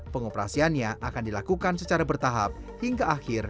pengoperasiannya akan dilakukan secara bertahap hingga akhir dua ribu dua puluh tiga